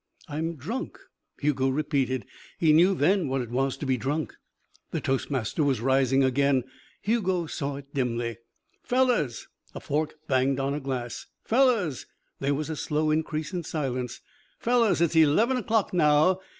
"I'm drunk," Hugo repeated. He knew then what it was to be drunk. The toastmaster was rising again. Hugo saw it dimly. "Fellows!" A fork banged on a glass. "Fellows!" There was a slow increase in silence. "Fellows! It's eleven o'clock now.